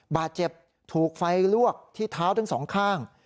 บาดเจ็บถูกไฟลวกที่เท้าทั้งสองข้าง